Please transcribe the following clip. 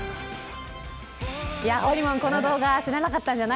ほりもんこの動画知らなかったんじゃない。